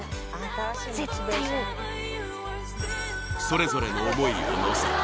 それぞれの思いを乗せ